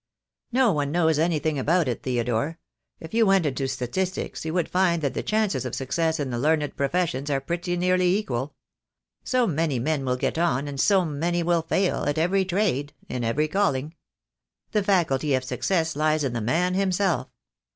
"No one knows anything about it, Theodore. If you went into statistics you would find that the chances of success in the learned professions are pretty nearly equal. So many men will get on, and so many will fail, at every trade, in every calling. The faculty of success lies in the man himself.